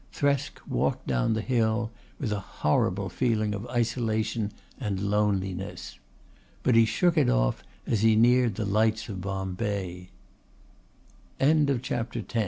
Thresk walked down the hill with a horrible feeling of isolation and loneliness. But he shook it off as he neared the lights of Bombay. CHAPTER XI THRESK INTERVE